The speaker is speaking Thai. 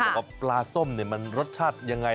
บอกว่าปลาส้มเนี่ยมันรสชาติยังไง